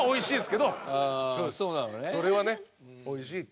それはねおいしいって。